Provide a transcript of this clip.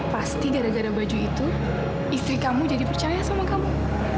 pasti gara gara baju itu istri kamu jadi percaya sama kamu